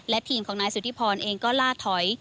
และทีมของนายสุธิพรเองก็ล่าถอย